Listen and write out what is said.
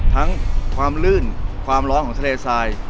ทั้งความลื่นความร้อนของทะเลทราย